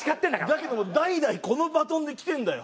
だけども代々このバトンできてるんだよ。